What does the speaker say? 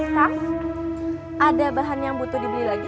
kak ada bahan yang butuh dibeli lagi